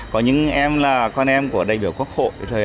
có những em là con em của đại biểu quốc hội